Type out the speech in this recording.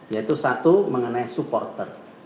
yaitu satu mengenai supporter